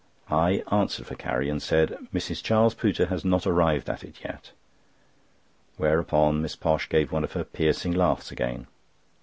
I answered for Carrie, and said: "Mrs. Charles Pooter has not arrived at it yet," whereupon Miss Posh gave one of her piercing laughs again.